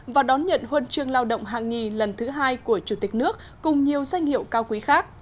và đón nhận huân chương lao động hạng nhì lần thứ hai của chủ tịch nước cùng nhiều danh hiệu cao quý khác